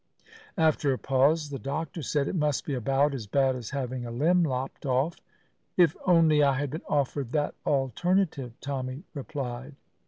After a pause the doctor said: "It must be about as bad as having a limb lopped off." "If only I had been offered that alternative!" Tommy replied.